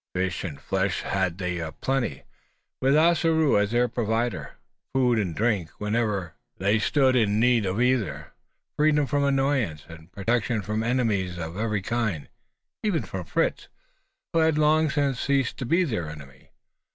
Fish and flesh had they a plenty with Ossaroo as their provider. Food and drink, whenever they stood in need of either; freedom from annoyance, and protection from enemies of every kind even from Fritz, who had long since ceased to be their enemy.